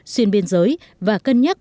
xuyên biên giới và cân nhắc